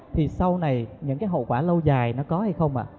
thì sau này những cái hậu quả lâu dài nó có hay không ạ